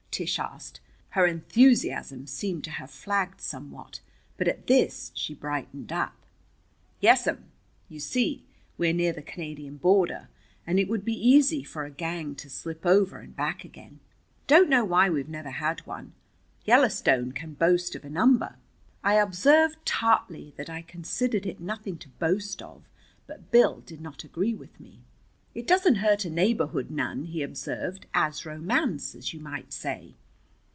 Tish asked. Her enthusiasm seemed to have flagged somewhat, but at this she brightened up. "Yes'm. You see, we're near the Canadian border, and it would be easy for a gang to slip over and back again. Don't know why we've never had one. Yellowstone can boast of a number." I observed tartly that I considered it nothing to boast of, but Bill did not agree with me. "It doesn't hurt a neighborhood none," he observed. "Adds romance, as you might say."